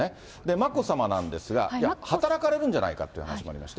眞子さまなんですけれども、働かれるんじゃないかという話もありまして。